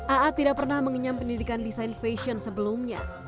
aa tidak pernah mengenyam pendidikan desain fashion sebelumnya